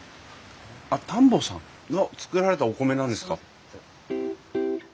あっ田んぼさん。が作られたお米なんですか？